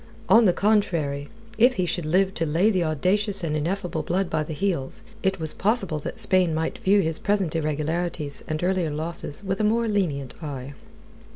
On the contrary, if he should live to lay the audacious and ineffable Blood by the heels, it was possible that Spain might view his present irregularities and earlier losses with a more lenient eye.